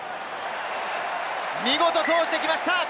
見事通してきました！